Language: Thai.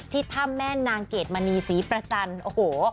ที่ถ้าแม่นางเกดมณีสีประจันโอ้โห